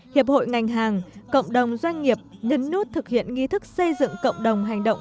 hiệp hội ngành hàng cộng đồng doanh nghiệp nhấn nút thực hiện nghi thức xây dựng cộng đồng hành động